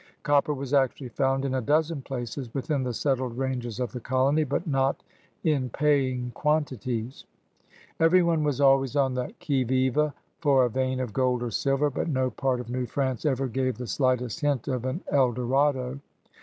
Copper was actually found in a dozen places within the settled ranges of the colony, but not in paying quantities. Every one was always on the qui vive for a vein of gold or silver, but no part of New France ever gave the slightest hint of 192 CRUSADEBS OF NEW FRANCE an EI Dorado.